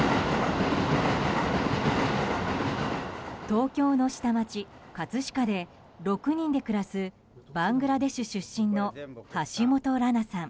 東京の下町葛飾で６人で暮らすバングラデシュ出身の橋本羅名さん。